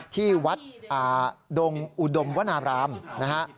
ที่วัดดงอุดมวนารามนะฮะ